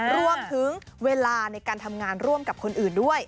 รวมถึงเวลาในการทำงานร่วมกับคนอื่นด้วย